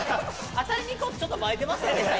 当たりにいこうと前出ませんでした？